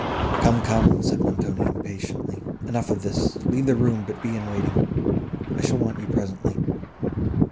"Come, come," said Montoni, impatiently, "enough of this. Leave the room, but be in waiting. I shall want you presently."